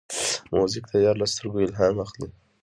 موزیک د یار له سترګو الهام اخلي.